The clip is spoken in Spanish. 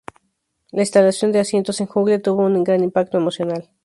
La instalación de asientos en "Jungle" tuvo un gran impacto emocional.